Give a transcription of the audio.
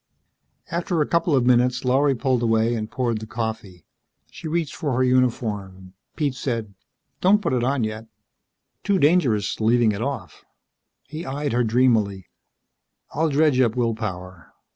After a couple of minutes, Lorry pulled away and poured the coffee. She reached for her uniform. Pete said, "Don't put it on yet." "Too dangerous leaving it off." He eyed her dreamily. "I'll dredge up will power.